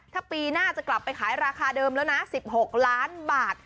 ถ้าปีหน้าจะกลับไปขายราคาเดิมแล้วนะ๑๖ล้านบาท